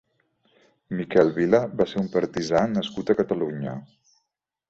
Miquel Vila va ser un partisà nascut a Catalunya.